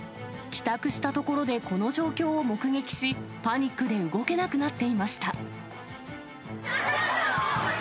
帰宅したところでこの状況を目撃し、パニックで動けなくなっていました。